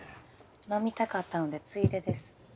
飲みたかったのでついでです。